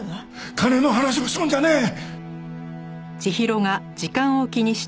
金の話をしとるんじゃねえ！